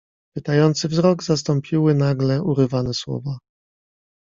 "Pytający wzrok zastąpiły nagle urywane słowa."